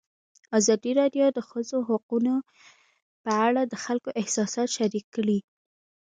ازادي راډیو د د ښځو حقونه په اړه د خلکو احساسات شریک کړي.